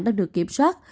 đã được kiểm soát